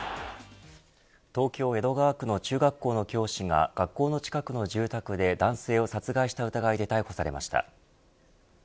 東京、江戸川区の中学校の教師が学校の近くの住宅で男性を殺害した疑いで逮捕されました。